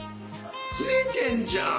増えてんじゃん！